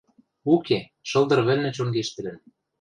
Уке, шылдыр вӹлнӹ чонгештӹлӹн.